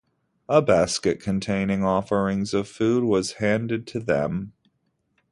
A basket containing offerings of food was handed to them.